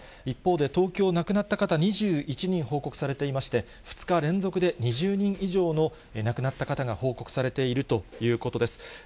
一方で、東京、亡くなった方２１人報告されていまして、２日連続で２０人以上の亡くなった方が報告されているということです。